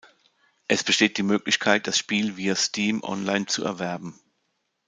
Es besteht die Möglichkeit, das Spiel via Steam online zu erwerben.